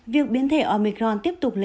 việc biến thể omicron tiếp tục phát triển